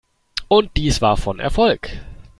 Und dies war von Erfolg.